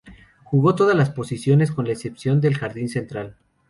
Jugó todas las posiciones, con la excepción del jardín central.